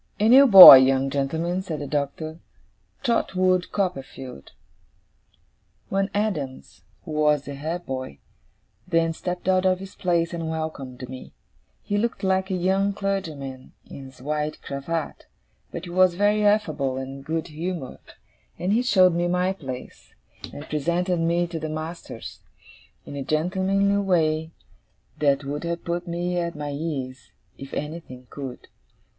'A new boy, young gentlemen,' said the Doctor; 'Trotwood Copperfield.' One Adams, who was the head boy, then stepped out of his place and welcomed me. He looked like a young clergyman, in his white cravat, but he was very affable and good humoured; and he showed me my place, and presented me to the masters, in a gentlemanly way that would have put me at my ease, if anything could.